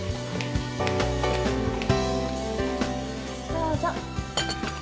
どうぞ。